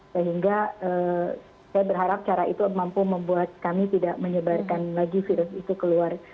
sehingga saya berharap cara itu mampu membuat kami tidak menyebarkan lagi virus itu keluar